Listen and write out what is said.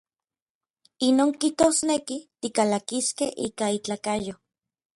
Inon kijtosneki, tikalakiskej ika itlakayo.